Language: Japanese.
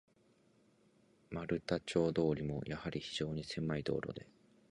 丸太町通も、やはり非常にせまい道路で、